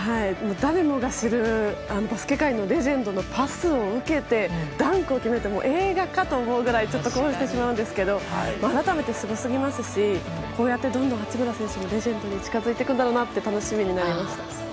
誰もが知るバスケ界のレジェンドのパスを受けてダンクを決めるって映画かと思うくらいちょっと興奮してしまうんですが改めてすごすぎますしこうやってどんどん八村選手もレジェンドに近づいていくんだろうなって楽しみになりました。